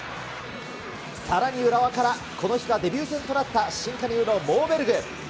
さらに浦和から、この日がデビュー戦となった新加入のモーベルグ。